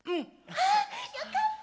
あよかった！